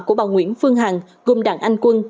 của bà nguyễn phương hằng gồm đảng anh quân